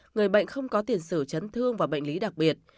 người bệnh không có tiền sử chấn thương và bệnh lý đặc biệt